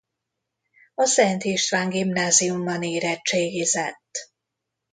A Szent István Gimnáziumban érettségizett.